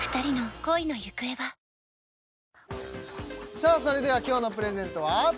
さあそれでは今日のプレゼントは？